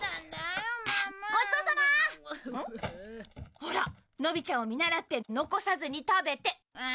ほらのびちゃんを見習って残さずに食べて！